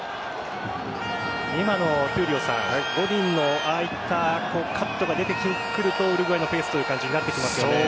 今のゴディンのああいったカットが出てくるとウルグアイのペースという感じになってきますよね。